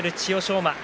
馬。